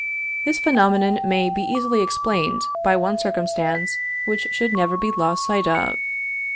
This phenomenon may be easily explained by one circumstance which should never be lost sight of.